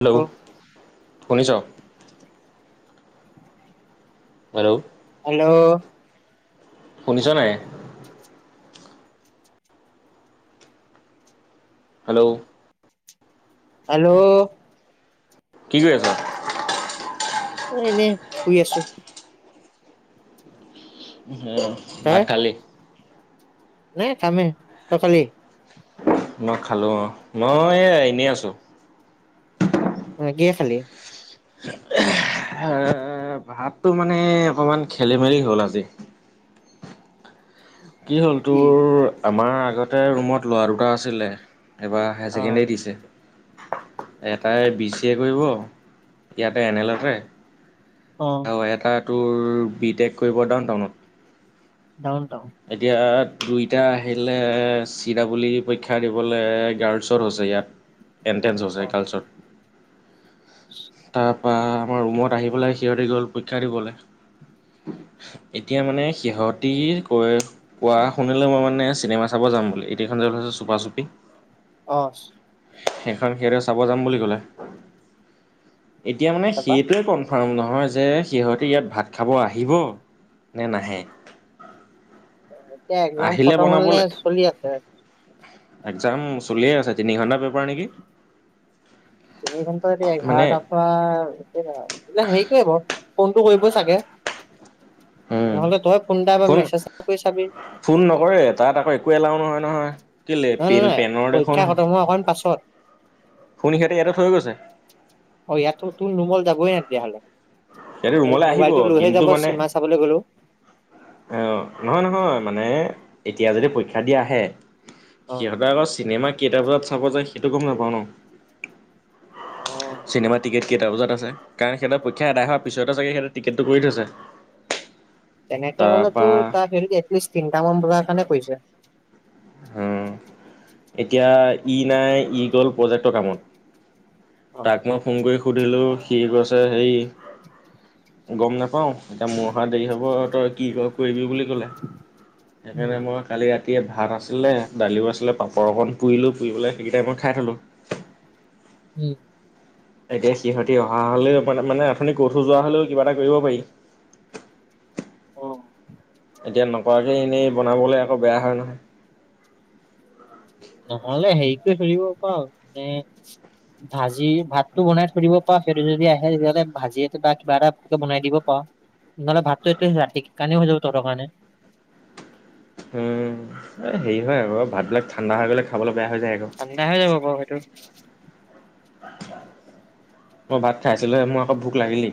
Hello শুনিছ? Hello. Hello. শুনিছ নাই? হেল্ল'। হেল্ল'। কি কৰি আছ? এনেই শুই আছো। অ', তই ভাত খালি? নাই খাম হে, তই খালি? মই খালো অঁ', মই এই এনেই আছো। অঁ', কিহে খালি? এ' ভাতটো মানে অকণমান খেলি-মেলি হ'ল আজি। কি হ'ল তোৰ আমাৰ আগতে ৰুমত ল'ৰা দুটা আছিলে- এইবাৰ হাই অ ছেকেণ্ডেৰী দিছে। এটাই বি চি এ কৰিব ইয়াতে এন এলতে। অঁ',। আৰু এটা তোৰ বি টেক কৰিব ডাউন টাউনত। Downtown. এতিয়া দুইটা আহিলে চি ডাবলী পৰীক্ষা দিবলৈ গাৰ্লছত হৈছে ইয়াত। এনটেঞ্চ অ হৈছে গাৰ্লছত। তাৰপা আমাৰ ৰুমত আহি পেলাই সিহঁতি গ'ল পৰীক্ষা দিবলৈ। এতিয়া মানে সিহঁতি কৈ- কোৱা শুনিলো মই মানে চিনেমা চাব যাম বুলি এতিয়া যে এখন ওলাইছে চুপা-চুপি। অ',। সেইখন সিহঁতে চাব যাম বুলি ক'লে। এতিয়া মানে তাৰপা সেইটোৱে কম। কনফাৰ্ম নহয় যে সিহঁতে ইয়াত ভাত খাব আহিব নে নাহে। এতিয়া এক্সাম আহিলে খতম হ'ল নে বনাবলে চলি আছে? এক্সাম চলিয়ে আছে তিনি ঘণ্টা পেপাৰ নেকি? তিনি ঘন্টা এতিয়া মানে এঘাৰটাৰ পৰা, কেইটা এই বিলাক হেৰি কৰিব ফোনটো কৰিবয়ে চাগে? উম নহ'লে তয়ে ফোন এটা, বা মেছেজ এটা কৰি চাবি। ফোন নকৰে তাত আকৌ একো এলাও নহয়- নহয়, কেলে নহয় নহয় পেন নহয় পেনৰ দেখোন [unintelligible] অকণ পাছত। ফোন সিহঁতে ইয়াতে থৈ গৈছে। অ', ইয়াততো তো নুমল যাবই তেতিয়াহ'লে, সিহঁতে ও ৰুমলে আহিব মোবাইল টো লৈহে কিন্তু যাব মানে চিনেমা চাবলৈ গ'লেও। অ', নহয়-নহয় মানে এতিয়া যদি পৰীক্ষা দি আহে অ সিহঁতে আকৌ চিনেমা কেইটা বজাত চাব যায় সেইটো গম নাপাওঁ ন। অ চিনেমাৰ টিকেট কেইটা বজাত আছে কাৰণ সিহঁতে পৰীক্ষা এটাৰি পিছতে চাগে, সিহঁতে টিকেটটো কৰি থৈছে। তেনেকে হ'লেতো, তাৰপা তাক হেৰিত এটলিষ্ট তিনতা মান বজাৰ কাৰণে কৰিছে। হম, এতিয়া ই নাই ই গ'ল প্ৰজেক্টৰ কামত। অ তাক মই ফোন কৰি সুধিলোঁ সি গৈছে হেৰি গম নাপাওঁ এতিয়া মোৰ অহাট দেৰি হ'ব তই কি কৰ কৰিবি বুলি, [unintelligible] উম, সেইকাৰণে মই কালি ৰাতিয়ে ভাত আছ আছিলে দালিও আছিলে, পাপৰ অকণ পুৰিলোঁ। পুৰি পেলে সেইগিটাই মই খাই থলোঁ। উম। এতিয়া সিহতি অহা হ'লেও মানে অথনি কৈ থৈ যোৱা হ'লেও কিবা এটা কৰিব পাৰি। অ এতিয়া নকৰাকে এনেই বনাবলে, আকৌ বেয়া হয় নহয়। নহ'লে হেৰিকৰি থৈ দিব পাৰ মানে ভাজি ভাতটো বনাই থৈ দিব পাৰ, সিহতে যদি আহে তেতিয়াহলে ভাজি [unintelligible] বা কিবা এটা ফটকৈ বনাই দিব পাৰ। নহ'লে ভাতটো, এইটো ৰাতি কাৰনেও হৈ যাব তহতৰ কাৰণে। উম, এই হেৰি হয় আৰু, ভাতবিলাক ঠান্ডা হৈ গ'লে খাবলৈ বেয়া হৈ যায়। আকৌ। ঠান্ডা হৈ যাব বাৰু সেইটো। মই ভাত খাই আছিলোহে মোৰ আকৌ ভোক লাগিলেই।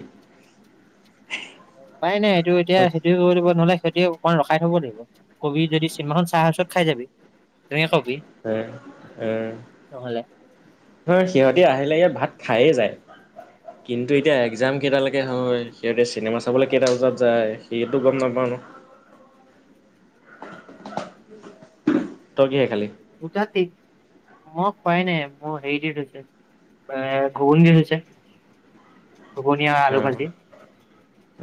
উপাই নাই সেইটো এতিয়া সেইটো [unintelligible] খেতি অকনমান ৰখাই থব লাগিব। কবি যদি চিনেমাখন চাই আছ খাই যাবি তেনেকে কবি। নহ'লে। [unintelligible] নহয় সিহতি আহিলৈ ইয়াত ভাত খায়ে যায়। কিন্তু এতিয়া এক্সাম কেইটালৈকে হয়, সসিহঁতেকককৰকৰসিহঁতেককক চিনেমা চাবলৈ কেইটা বজাত যায়, সেইটো গ'ম নাপাওঁ ন'। ৰ পশলা, তই কিহেৰে খালি? দুতা [unintelligible] মই খুৱাই নাই মোৰ হেৰি দি থৈছে এ, ঘুগনী দি থৈছে। ঘুগনী আ উম,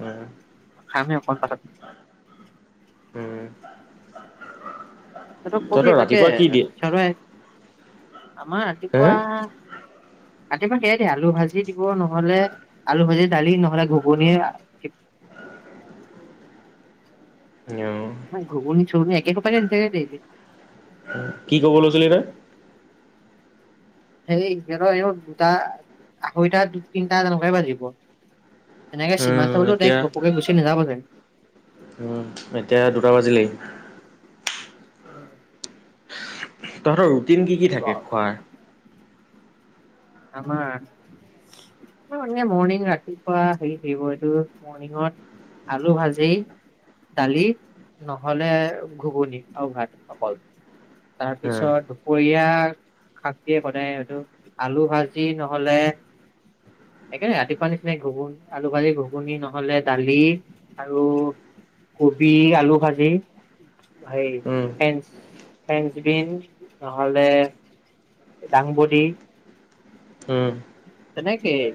উম। খাম হে অকন পাছত। উম। সিহঁতক কবি তহঁতৰ তাকে, ৰাতিপুৱা কি দিয়ে? [unintelligible] আমাৰ হা? ৰাতিপুৱা ৰাতিপুৱা সেইয়াই দিয়ে- আলু ভাজি দিব, নহ'লে আলু ভাজি দালি, নহ'লে ঘুগুনী। [unintelligible] আমাক ঘুগুনী-চুগুনি একে সোপাকে দি থাকে ডেইলী। অ কি কব লৈছিলি তই? সেই সিহঁতৰ এনেও দুটা আঢ়ৈটা দু তিনটা তেনকাই বাজিব। তেনেকে চিনেমা উম চাবলৈও এতিয়া ডাইৰেক্ট ঘপকে গুচি নাযাব যে উম, এতিয়া দুটা বাজিলেই। উম। উম তহঁতৰ ৰুটিন কি কি থাকে খোৱাৰ? আমা? এইটো মানে মৰ্ণিং ৰাতিপুৱা হেৰি থাকিব এইটো মৰ্ণিংত। আলু ভাজি। দালি নহ'লে ঘুগুনি আও ভাত অকল। তাৰ উম পিছত দুপৰীয়া শাক দিয়ে সদাই এইটো আলু ভাজি নহ'লে। সেইকানে ৰাতিপুৱা নিচিনাই ঘুগুন আলু ভাজি ঘুগুনি নহ'লে দালি। আৰু কবি আলু ভাজি সেই উম ফেঞ্চ। ফ্ৰেঞ্চ বিন নহ'লে ডাংবডি। উম। তেনেকে অ।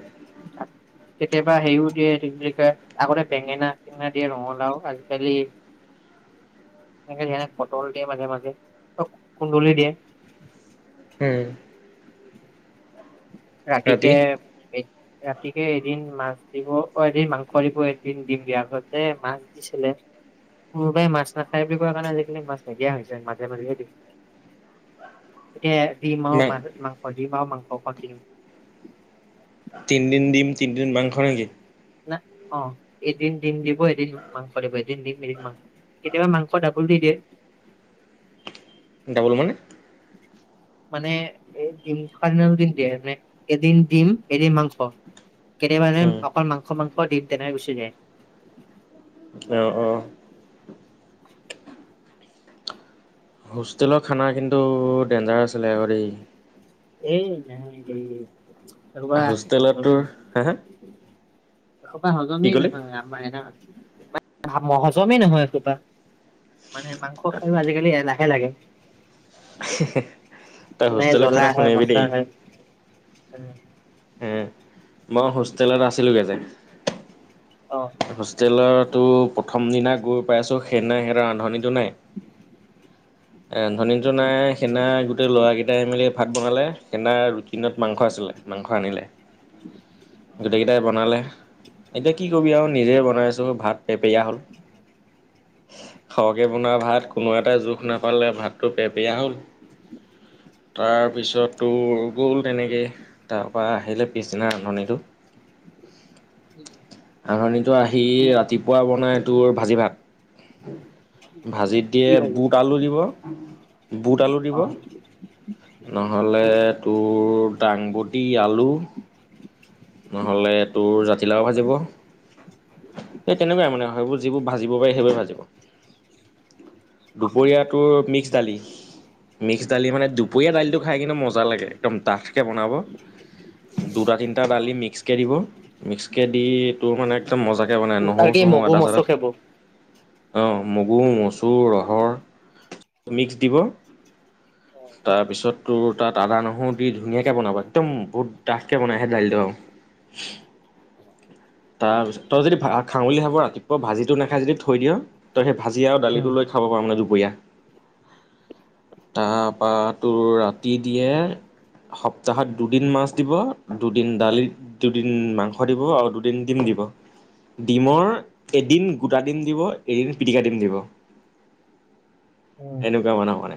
কেতিয়াবা হেৰিও দিয়ে এইটো কি বুলি কয় আগতে বেঙেনা-চেঙেনা দিয়ে ৰঙালাও আজিকালি। [unintelligible] সেনেকে যেনে পটল দিয়ে মাজে মাজে অ কুন্দুলি দিয়ে। উম। ৰাতি কে এই। ৰাতিকে এদিন মাছ দিব অ', এদিন মাংস দিব এদিন দিম দিয়া আগতে মাছ। ছিলে কোনোবাই মাছ নাখাই বুলি কোৱা কাৰণে, আজিকালি মাছ নিদিয়া হৈছে মাজে মাজেহে দিয়ে। অ। এতিয়া দিম আও মা-মাংস দিম আও মাংস অকল দিম। তিনিদিন দিম তিনিদিন মাংস নেকি? না অ' এদিন ডিম দিব এদিন মাংস দিব এদিন ডিম এদিন মাং। কেতিয়াবা মাংস ডাবোল দি দিয়ে। ডাবোল মানে। মানে এ ডিম থকা দিনা যদি দিয়ে মানে এদিন ডিম এদিন মাংস। কেতিয়াবা এদিন উম অকল মাংস মাংস দিম তেনেকে গুচি যায়। অহ' অ'হ। [unintelligible] হোষ্টেলৰ খানা কিন্তু ডেঞ্জাৰ আছিলে আকৌ দেই। এই নকবি দেই এহোপা হোষ্টেলত হজমে তোৰ নহয়। হা হা এহোপা কি হজমেই ক'লি নহয় আও। মানে ন, মাই ভাৱ হজমেই নহয় এইখোপা মানে মাং।। স খাইও আজিকালি এলাহে লাগে। হুেহ তই নাই হোষ্টেল জ্বলা খানা। হয় শুনিবি মছলা দেই নাই। উম। এহ মই হোষ্টেলত আছিলোঁগে যে। অহ। হোষ্টেলতো প্ৰথম দিনা গৈ পাইছোঁ। সেইদিনা সিহঁতৰ ৰান্ধনিটো নাই। এ ৰান্ধনী তো নাই। সেইদিনা গোটেই ল'ৰাকেইটাই মেলি ভাত বনালে সেইদিনাৰ ৰুটি লগত মাংস আছিলে মাংস আনিলে। গোটেই কেইটাই বনালে। এতিয়া কি কবি আৰু নিজেই বনাই আছোঁ ভাত পেপেৰিয়া হ'ল। খৰকৈ বনোৱা ভাত কোনো এটাই জোখ নাপালে ভাতটো পেপেৰীয়া হ'ল। তাৰপিছত তোৰ গ'ল তেনেকে। তাৰপা আহিলে পিছদিনা ৰান্ধনিটো ৰান্ধনিটো আহি ৰাতিপুৱা বনাই তোৰ ভাজি ভাত ভাজিত দিয়ে কি ভাবি বুট আলু দিব, বুট আলু দিব নহ'লে তোৰ দাংবডি আলু নহলে তোৰ জাতিলাও ভাজিব এই তেনেকুৱাই মানে হয় বু যিবোৰ ভাজিব পাৰি সেইবোৰে ভাজিব দুপৰীয়াটোৰ মিক্স দালি মিক্স দালি মানে দুপৰীয়া দালিটো খাই কিন্তু মজা লাগে একদম ডাঠকে বনাব দুটা, তিনটা দালি মিক্সকে দি মিক্সকে দি তোৰ মানে একদম মজাকে বনায় আৰু কি নহৰু-চহৰু, মগু আদা- চাদা মচু খাব অ'মগু, মচুৰ, ৰহৰ, মিক্স দিব। [inaudible] তাৰপিছত তোৰ তাত আদা-নহৰু দি ধুনীয়াকে বনাবা একদম বহুত ডাঠকে বনাই সেই দাইলটো আৰু [inaudible] তাৰপিছত তই যদি ভা খাওঁ বুলি ভাব ৰাতিপুৱা ভাজিটো নাখাই যদি থৈ দিয় তই সেই ভাজি আৰু উম দালিটো লৈ খাব পাৰ মানে দুপৰীয়া। তাৰপা তোৰ ৰাতি দিয়ে সপ্তাহত দুদিন মাছ দিব, দুদিন দালি দুদিন মাংস দিব আৰু দুদিন ডিম দিব ডিমৰ এদিন গোটা ডিম দিব এদিন পিটিকা ডিম দিব। উম এনেকুৱা মানুহ মানে।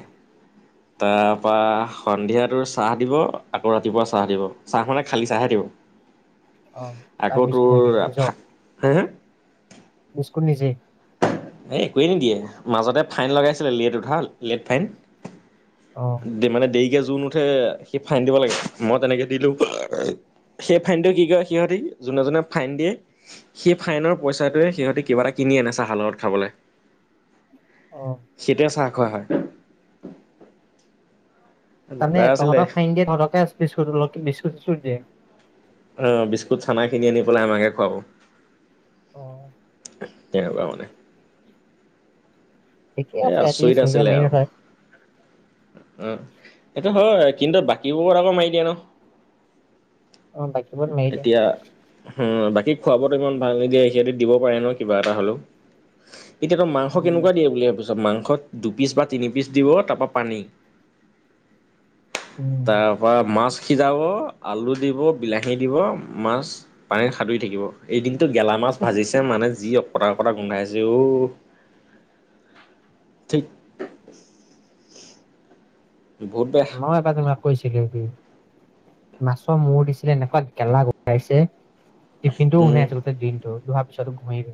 তাৰপা সন্ধিয়াটো চাহ দিব। আকৌ ৰাতিপুৱা চাহ দিব চাহ মানে খালী চাহে দিব। অ তাই আকৌ বিস্কুট নিদিয়ে তোৰ নিজৰ [unintelligible] [unintelligible] নিজে। এই একোৱেই নিদিয়ে মাজতে ফাইন লগাইছিলে লেট উঠা লেট ফাইন। অ', দে মানে দেৰিকে যোন উঠে সি ফাইন দিব লাগে মই তেনেকে দিলো। সেই ফাইনটো কি কৰে সিহঁতি যোনে, যোনে ফাইন দিয়ে সেই ফাইনৰ পইচাটোৱে সিহঁতে কিবা এটা কিনি আনে চাহৰ লগত খাবলে অ সেইটোৰে চাহ খোৱা হয়। তাৰমানে লেজাৰ আছিলে তহঁতক ফাইন দিয়ে তহতকে [unintelligible] বিস্কুত- চিচস্কুত দিয়ে? অ' বিস্কুট, চানা কিনি আনি পেলাই আমাকে খুৱাব। অ', তেনেকুৱা মানে। ঠিকে এ আছে এটলিষ্ট আচৰিত নিজে আছিলে মাৰি আৰু নথয় উম, এইটো হয় কিন্তু বাকীবোৰত আকৌ মাৰি দিয়ে ন'। অ বাকীবোৰত মাৰি দিয়ে এতিয়া হম, বাকী খোৱা বোৱাতো ইমান ভাল নিদিয়ে সিহঁতি দিব পাৰে ন' কিবা এটা হ'লেও এতিয়া তই মাংস কেনেকুৱা দিয়ে বুলি ভাবি ত' মাংসত দু পিচ বা তিনি পিচ দিব তাপা পানী উম, তাৰপা মাছ সিজাব, আলু দিব, বিলাহী দিব, মাছ পানীত সাতুৰি থাকিব এইদিনটো গেলা মাছ ভিজছে মানে যি অকটা অকটা গোন্ধাইছে অ' ঠিক। বহুত বেয়া। তোমাক কৈছিলো, মাছৰ মূৰ দিছিলে এনেকুৱা গেলা গোন্ধাইছে। টিফিন টো শুনে উম, আছিলোতে দিন টো লোহাৰ পিছতো ঘুমেই।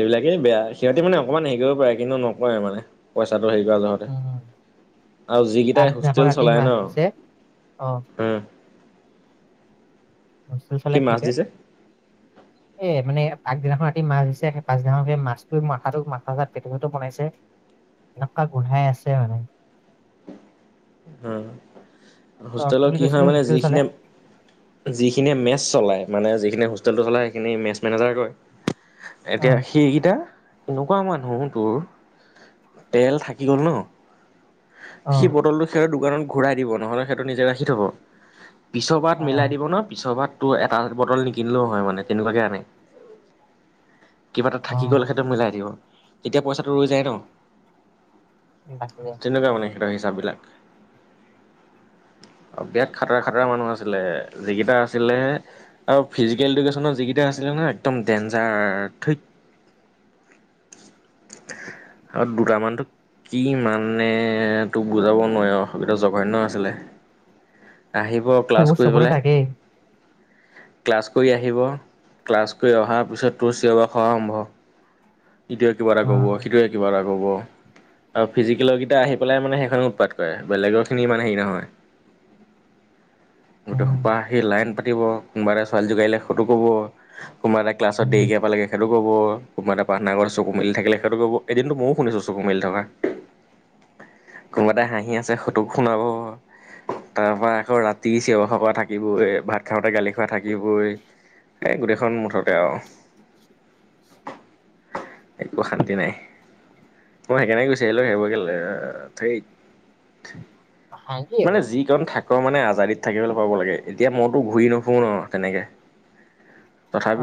এইবিলাকেই বেয়া সিহঁতি মানে অকণমান হেৰি কৰিব পাৰে কিন্তু নকৰে মানে। পইচাটো হেৰি কৰা যহ'তে উম। আৰু যিকেইটাই আগদিনাখন হোষ্টেল ৰাতি চলাই ন মাছ দিছে অ' উম, হোষ্টেল চলাই কি কৰে? অ' [unintelligible] এ মানে আগদিনাখন ৰাতি মাছ দিছে সেই পাছদিনাখন সেই মাছটো মাথাটো মাথা চাতা পেটু চেটো বনাইছে। এনেকুৱা গোন্ধাই আছে মানে উ অ হোষ্টেলৰ বুলি কি কৈছিলি হয় মানে হোষ্টেল চলে যিখিনিয়ে, যিখিনিয়ে মেচ চলায়, মানে যিখিনি হোষ্টেলটো চলায় সেইখিনি মেছ মেনেজাৰে দৰে। অ এতিয়া সেইগিটা। এনেকুৱা মানুহ তোৰ তেল থাকি গ'ল ন' অ সি বটলটো সেই দোকানত ঘূৰাই দিব নহ'লে সেইহটো নিজে ৰাখি থ'ব। পিছৰ অ বাৰত মিলাই দিব ন' পিছৰ বাৰত তোৰ এটা বটল নিকিনিলেও হয় মানে তেনেকুৱাকে আনে। কিবা এটা অ থাকি গ'ল সেইটো মিলাই দিব, তেতিয়া পইচাটো ৰৈ যায় ন। [unintelligible] তেনেকুৱা মানে সিহঁতৰ হিচাব বিলাক। আৰু বিৰাট খাতৰা খাতৰা মানুহ আছিলে যিকেইটা আছিলে। আৰু ফিজিকেল এডুকেশ্যনৰ যিকেইটা আছিলে ন একদম ডেঞ্জাৰ ধেৎ। [inaudible] আৰু দুটামানতো কি মানে তোক বুজাব নোৱাৰি অ' এইটো জঘন্য আছিলে, আহিব ক্লাছ সেইবোৰ কৰি চবতে পেলাই। থাকেই ক্লাছ কৰি আহিব, ক্লাছ কৰি অহাৰ পিছত তোৰ চিঞৰ বাখৰ আৰম্ভ। ইটোৱে কিবা এটা অ ক'ব, সিটোৱে কিবা এটা ক'ব। আৰু ফিজিকেলৰকেইটা আহি পেলাই মানে সেইখন উৎপাত কৰে, বেলেগৰখিনি ইমান হেৰি নহয়। [inaudible] গোটেই সোপা উম আহি লাইন পাতিব, কোনোবা এটা ছোৱালী জোকাই দিলে সটো কব। কোনবা এটা ক্লাছত উম দেৰিকে পালে গে সেইটো ক'ব কোনবা এটা। প্ৰাৰ্থনা চকু মেলি থাকিলে, সেইটো কব এদিনটো ম‌য়ো শুনিছো চকু মেলি থকা। কোনোবা এ তাই হাঁহি আছে সটোক শুনাব। তাৰ পৰা আকৌ ৰাতি চিঅ বাখৰ কৰা থাকিবই এ ভাত। ভাত খাওঁতে গালি খোৱা থাকিবই, এই গোটেইখন মুঠতে আৰু। একো শান্তি নাই। মই সেইকাৰণে গুচি আহিলো সেইবোৰ, কেলেই ঠেই অশান্তি মানে এইবোৰ যি এজন থাক মানে আজাদীত থাকিবলৈ পাব লাগে এতিয়া মইতো ঘূৰি নুফুৰো ন' তেনেকে।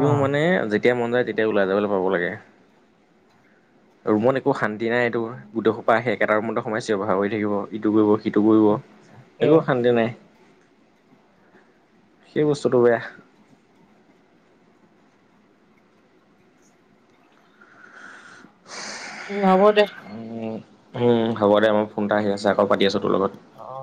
অ মানে যেতিয়া মন যায় তেতিয়া ওলাই যাবলৈ পাব লাগে। ৰুমত একো শান্তি নাই, এইটো গোটেইখোপা আহি একেটা ৰুমতেই সোমাই চি‌ঞৰ বাখৰ কৰি থাকিব ইটো কৰিব সিটো। ইটো কৰিব তাকে একো শান্তি নাই সেই বস্তুটো বেয়া। উম হব দে। উ উম হ'ব দে মোৰ ফোন এটা আহি আছে আকৌ পাতি আছো তোৰ লগত। অ'